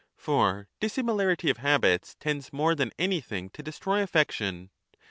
1 For dissimilarity of habits tends more than anything to destroy affection.